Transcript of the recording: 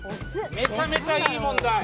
めちゃめちゃいい問題！